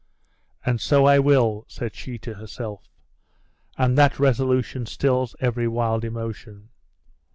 "And so I will," said she to herself; "and that resolution stills every wild emotion.